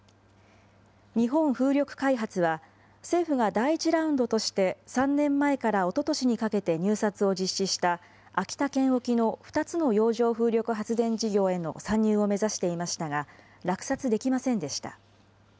日本風力開発は、政府が第１ラウンドとして３年前からおととしにかけて入札を実施した秋田県沖の２つの洋上風力発電事業への参入を目指していましたが、落札できませんでした。